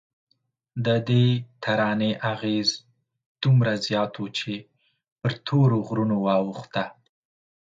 ددې ترانې اغېز دومره زیات و چې پر تورو غرونو واوښته.